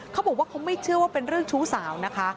เขาบอกว่าเขาไม่เชื่อว่าเป็นเรื่องชู้สาวนะคะ